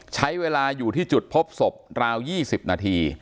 ใช้เวลาอยู่ที่จุดพบศพราว๒๐นาที